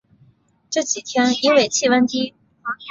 这几天因为气温低